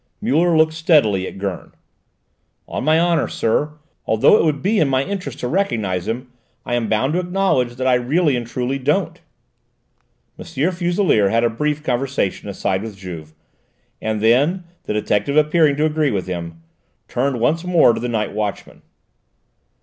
Muller looked steadily at Gurn. "On my honour, sir, although it would be to my interest to recognise him, I am bound to acknowledge that I really and truly don't." M. Fuselier had a brief conversation aside with Juve, and then, the detective appearing to agree with him, turned once more to the night watchman.